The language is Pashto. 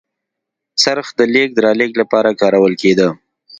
څرخ د لېږد رالېږد لپاره کارول کېده.